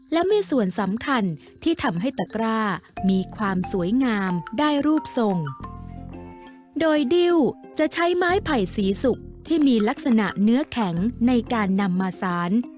และมีส่วนสำคัญที่ทำให้ตกร่ามีความสวยงามได้รูปทรงโดยดิ้วจะใช้ไม้ไผ่สีสุกที่มีลักษณะเนื้อแข็งในการนำมาสาร